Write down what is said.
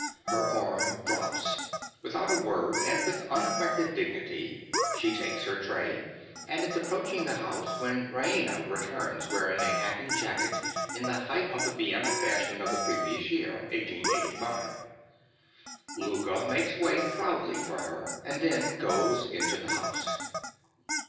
_) (_Her arm drops. Without a word, and with unaffected dignity, she takes her tray, and is approaching the house when Raina returns wearing a hat and jacket in the height of the Vienna fashion of the previous year, 1885. Louka makes way proudly for her, and then goes into the house.